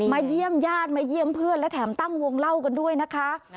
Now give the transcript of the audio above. เยี่ยมญาติมาเยี่ยมเพื่อนและแถมตั้งวงเล่ากันด้วยนะคะ